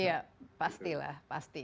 iya pastilah pasti